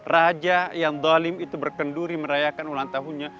raja yang dalim itu berkenduri merayakan ulang tahunnya